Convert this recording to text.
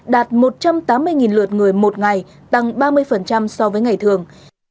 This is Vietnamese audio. đạt một trăm tám mươi lượt người một ngày tăng ba mươi so với ngày thường